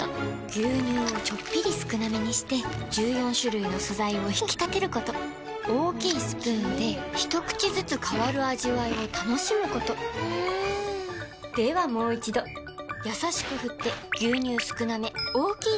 牛乳をちょっぴり少なめにして１４種類の素材を引き立てること大きいスプーンで一口ずつ変わる味わいを楽しむことではもう一度これだ！